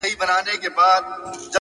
o سري وخت دی، ځان له دغه ښاره باسه،